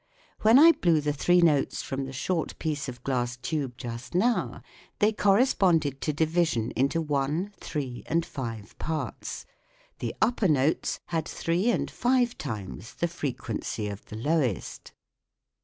When I blew the three notes from the short piece of glass tube just now, they corre sponded to division into one, three, and five parts ; the upper notes had three and five times the frequency of the lowest.